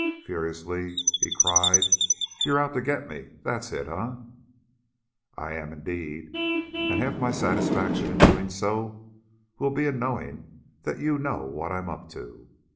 Furiously he cried: "You're out to get me! That's it, eh?" "I am, indeed. And half my satisfaction in doing so will be in knowing that you know what I'm up to.